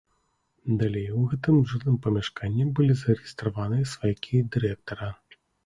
Далей у гэтым жылым памяшканні былі зарэгістраваныя сваякі дырэктара.